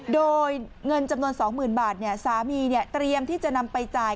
โดยเงินจำนวน๒๐๐๐บาทสามีเตรียมที่จะนำไปจ่าย